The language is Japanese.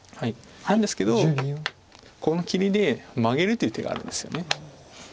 なんですけどこの切りでマゲるという手があるんですよね。